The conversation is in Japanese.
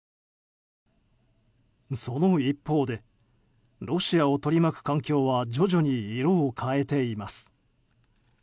その一方でロシアを取り巻く環境は徐々に色を変えています。